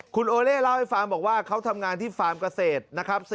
คุณโอเล่เล่าให้ฟังบอกว่าเขาทำงานที่ฟาร์มเกษตรนะครับ